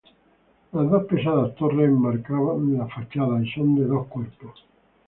Las dos pesadas torres enmarcan la fachada, y son de dos cuerpos.